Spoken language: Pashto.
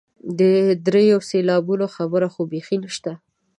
د دریو سېلابونو خبره خو بیخي نشته.